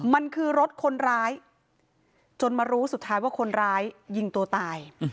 มันคือรถคนร้ายจนมารู้สุดท้ายว่าคนร้ายยิงตัวตาย